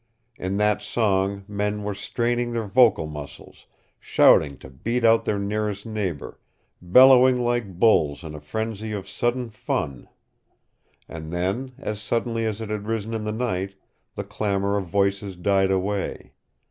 In that song men were straining their vocal muscles, shouting to beat out their nearest neighbor, bellowing like bulls in a frenzy of sudden fun. And then, as suddenly as it had risen in the night, the clamor of voices died away.